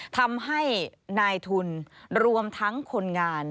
ทำให้นายทุนรวมทั้งคนงาน